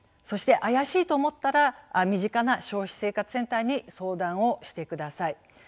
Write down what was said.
そして怪しいと思ったら身近な消費生活センターに相談してください。